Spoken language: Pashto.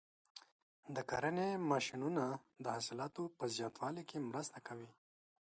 د کرنې ماشینونه د حاصلاتو په زیاتوالي کې مرسته کوي.